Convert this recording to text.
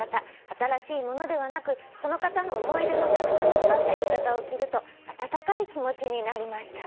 「新しいものではなくその方の思い出のたくさん詰まった浴衣を着ると温かい気持ちになりました」